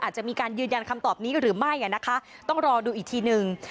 อาจจะมีการยืนยันคำตอบนี้หรือไม่นะคะต้องรอดูอีกทีหนึ่ง